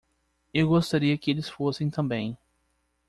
Eu gostaria que eles fossem também.